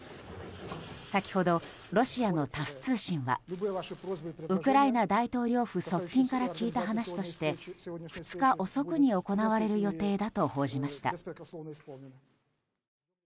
先ほどロシアのタス通信はウクライナ大統領府側近から聞いた話として２日遅くに行われる予定だと報じました。